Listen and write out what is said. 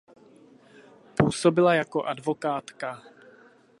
Působila jako advokátka.